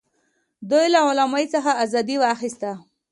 دوی له غلامۍ څخه ازادي واخیسته.